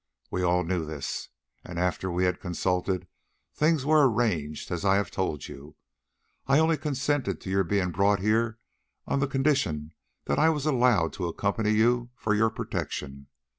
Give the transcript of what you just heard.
We all knew this, and after we had consulted, things were arranged as I have told you. I only consented to your being brought here on the condition that I was allowed to accompany you for your protection.